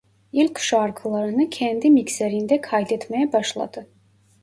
İlk şarkılarını kendi mikserinde kaydetmeye başladı.